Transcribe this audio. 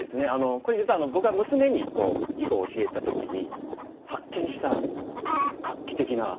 これ実は僕は娘に囲碁を教えた時に発見した画期的な考え方というか。